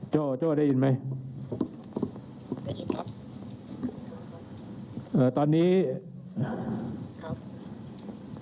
โจ้โจ้ได้ยินไหมได้ยินครับเอ่อตอนนี้อ่าครับ